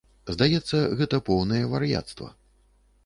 Здаецца, гэта поўнае вар'яцтва.